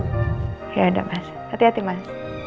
ya ada mas hati hati mas